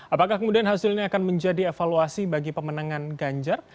apakah kemudian hasilnya akan menjadi evaluasi bagi pemenangan ganjar